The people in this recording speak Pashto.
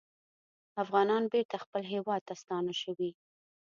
افغانان بېرته خپل هیواد ته ستانه شوي